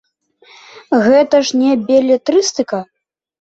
Гэта ж не белетрыстыка.